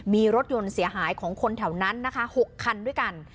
มีรถยนต์เสียหายของคนแถวนั้นนะคะ๖คันด้วยกัน